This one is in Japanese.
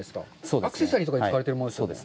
アクセサリーとかに使われてるもの。